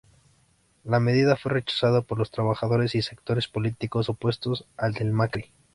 La medida fue rechazada por los trabajadores y sectores políticos opuestos al de Macri.